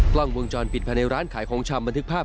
กล้องวงจรปิดผ่านในร้านขายของช้ำเบื้องทึกภาพ